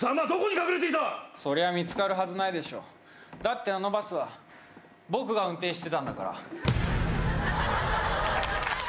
それは見つかるはずないでしょだって、あのバスは僕が運転してたんだから。